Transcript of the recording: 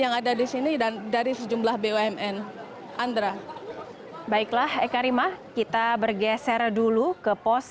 yang ada di sini dan dari sejumlah bumn andra baiklah eka rima kita bergeser dulu ke pos